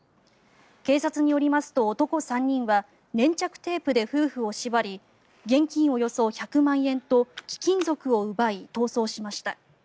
警察によりますと男３人は粘着テープで夫婦を縛り現金およそ１００万円と貴金属を奪い、逃走しました。